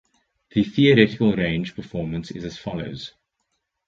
The theoretical range performance is as follows.